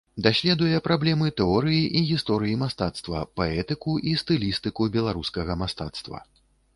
Даследуе праблемы тэорыі і гісторыі мастацтва, паэтыку і стылістыку беларускага мастацтва.